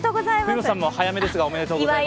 國本さんも早めですがおめでとうございます。